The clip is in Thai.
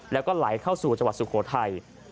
แล้วก็ไหลเข้าสู่จังหวัดสุโขทัย